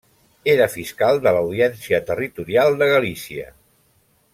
Era fiscal de l'Audiència Territorial de Galícia.